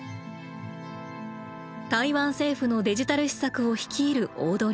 台湾政府のデジタル施策を率いるオードリー・タンさん。